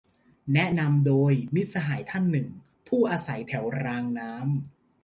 แนะนำโดย มิตรสหายท่านหนึ่ง ผู้อาศัยแถวรางน้ำ